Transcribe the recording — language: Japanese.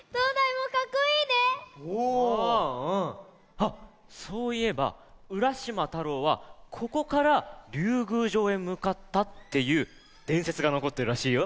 はっそういえばうらしまたろうはここからりゅうぐうじょうへむかったっていうでんせつがのこってるらしいよ。